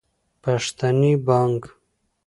پښتني بانګ